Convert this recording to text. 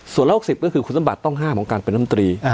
ส่วนละ๖๐ก็คือคุณสมบัติต้องห้ามของการเป็นน้ำตรี